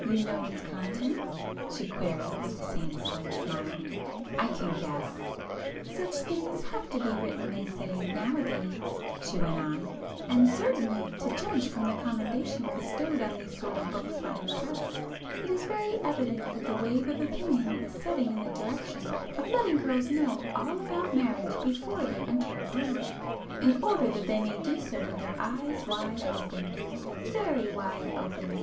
"You know its contents?" she queried, with the same slight smile. "I can guess." "Such things have to be written, they say nowadays,"—she went on—"And, certainly, to judge from the commendation bestowed on these sort of books by the press, it is very [p 306] evident that the wave of opinion is setting in the direction of letting girls know all about marriage before they enter upon it, in order that they may do so with their eyes wide open,—very wide open!"